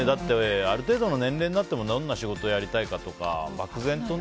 ある程度の年齢になってもどんな仕事をやりたいかとか漠然とね。